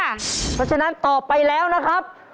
เพราะฉะนั้นตอบไปแล้วนะครับ